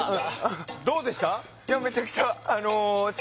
どうでした？